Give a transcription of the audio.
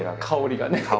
香りがね。